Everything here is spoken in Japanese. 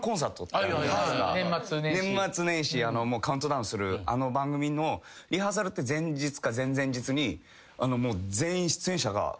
年末年始カウントダウンするあの番組のリハーサルって前日か前々日に。